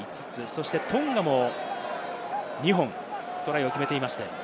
そしてトンガも２本トライを決めています。